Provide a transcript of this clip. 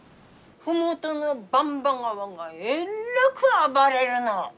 ☎麓の番場川がえっらく暴れるの。